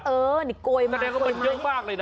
เออนี่เกาไอมาแล้วทีนั้นคือมันเกี่ยวกว่ากเลยนะ